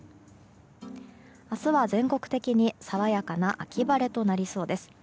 明日は全国的に爽やかな秋晴れとなりそうです。